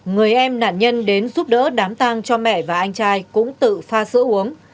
người em nạn nhân đến giúp đỡ đám tàng cho mẹ và anh trai cũng tự pha sữa uống